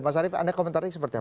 mas arief anda komentari seperti apa